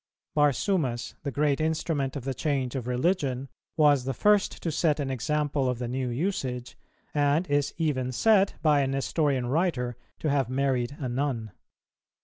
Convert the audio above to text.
Barsumas, the great instrument of the change of religion, was the first to set an example of the new usage, and is even said by a Nestorian writer to have married a nun.